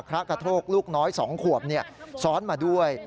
พระกระโทกลูกน้อย๒ขวบซ้อนมาด้วย